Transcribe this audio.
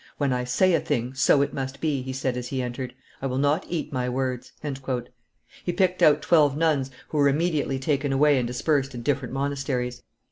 "When I say a thing, so it must be," he said as he entered; "I will not eat my words." He picked out twelve nuns, who were immediately taken away and dispersed in different monasteries.